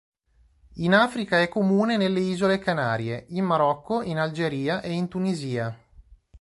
In Africa è comune nelle isole Canarie, in Marocco, in Algeria e in Tunisia.